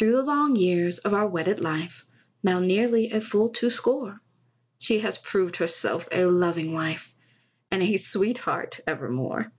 Through the long years of our wedded life, Now nearly a full two score, She has proved herself a loving wife, And a sweetheart evermore.